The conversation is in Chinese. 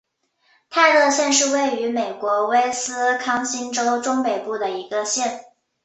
泰勒县是位于美国威斯康辛州中北部的一个县。